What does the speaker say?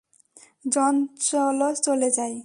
জন, চলো চলে যাই।